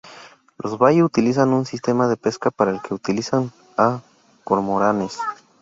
Los Bai utilizan un sistema de pesca para el que utilizan a cormoranes.